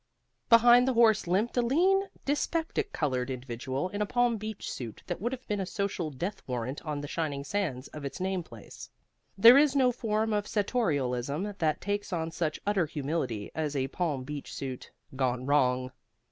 Behind the horse limped a lean, dyspeptic colored individual in a Palm Beach suit that would have been a social death warrant on the shining sands of its name place. There is no form of sartorialism that takes on such utter humility as a Palm Beach suit gone wrong.